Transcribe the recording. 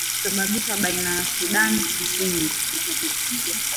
kusababisha baina ya sudan kusini